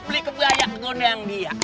beli kebayaan gondang dia